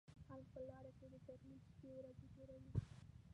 خلک په لارو کې د تکلیف شپېورځې تېروي.